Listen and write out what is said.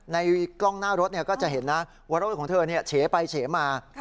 กล้องหน้ารถก็จะเห็นนะว่ารถของเธอเฉไปเฉมา